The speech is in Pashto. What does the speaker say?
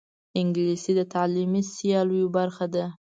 انګلیسي د تعلیمي سیالیو برخه ده